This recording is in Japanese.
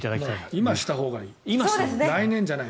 今したほうがいい。